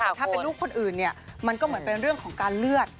แต่ถ้าเป็นลูกคนอื่นเนี่ยมันก็เหมือนเป็นเรื่องของการเลือด